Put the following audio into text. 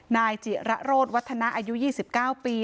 นายจิระโรธวัฒนะอายุ๒๙ปี